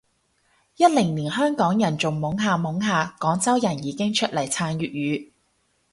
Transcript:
一零年香港人仲懵下懵下，廣州人已經出嚟撐粵語